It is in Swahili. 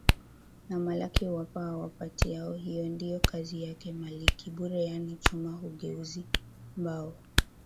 na malaki Huwapa awapatiao hiyo ndiyo kazi yake Maliki Bure yani chuma hugeuzi mbao